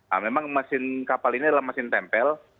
nah memang mesin kapal ini adalah mesin tempel